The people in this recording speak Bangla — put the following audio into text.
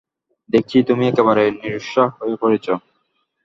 দেখছি, তুমি একেবারে নিরুৎসাহ হয়ে পড়েছ।